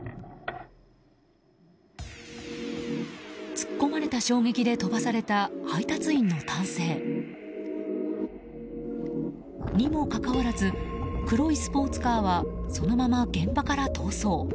突っ込まれた衝撃で飛ばされた配達員の男性。にもかかわらず黒いスポーツカーはそのまま現場から逃走。